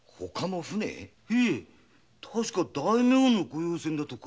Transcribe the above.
確か大名の御用船だとか。